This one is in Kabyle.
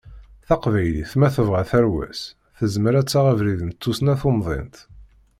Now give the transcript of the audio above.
Taqbaylit, ma tebɣa tarwa-s, tezmer ad taɣ abrid n tussna tumḍint.